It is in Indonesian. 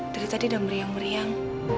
tadi udah meriang meriang